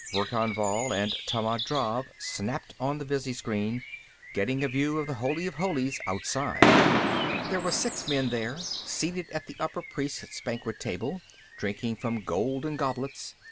Verkan Vall and Tammand Drav snapped on the visiscreen, getting a view of the Holy of Holies outside. There were six men there, seated at the upper priests' banquet table, drinking from golden goblets.